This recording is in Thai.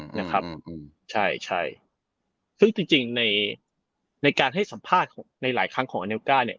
นะครับอืมใช่ใช่ซึ่งจริงจริงในในการให้สัมภาษณ์ของในหลายครั้งของเนลก้าเนี่ย